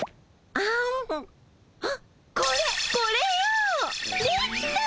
これこれよ！できた！